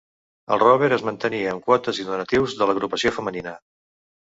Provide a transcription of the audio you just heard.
El rober es mantenia amb quotes i donatius de l’Agrupació Femenina.